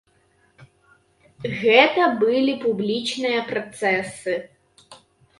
Гэта былі публічныя працэсы.